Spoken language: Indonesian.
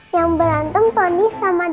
yang berantem tony sama dia